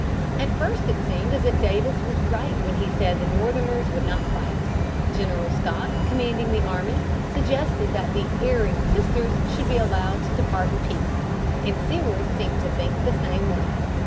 At first it seemed as if Davis was right when he said the Northerners would not fight. General Scott, commanding the army, suggested that the "erring sisters" should be allowed to "depart in peace," and Seward seemed to think the same way.